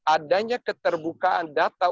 adanya keterbukaan data